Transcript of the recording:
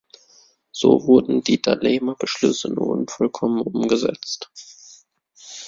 So wurden die Dahlemer Beschlüsse nur unvollkommen umgesetzt.